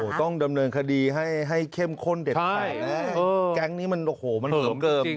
มันต้องดำเนินคดีให้เข้มข้นเด็ดแข่และแก๊งนี้มันเหิมเกิม